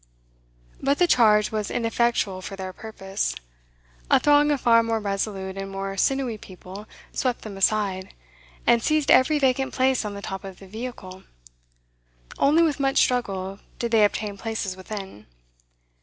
But the charge was ineffectual for their purpose. A throng of far more resolute and more sinewy people swept them aside, and seized every vacant place on the top of the vehicle. Only with much struggle did they obtain places within.